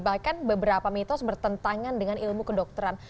bahkan beberapa mitos bertentangan dengan ilmu kedokteran